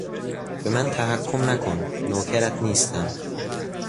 به من تحکم نکن، نوکرت نیستم!